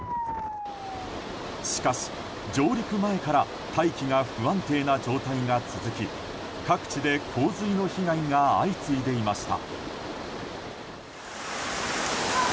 しかし、上陸前から大気が不安定な状態が続き各地で洪水の被害が相次いでいました。